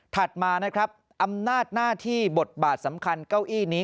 มานะครับอำนาจหน้าที่บทบาทสำคัญเก้าอี้นี้